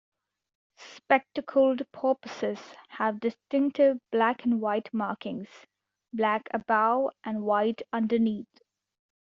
Spectacled porpoises have distinctive black and white markings - black above and white underneath.